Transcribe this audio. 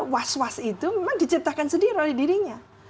was was itu memang diciptakan sendiri oleh dirinya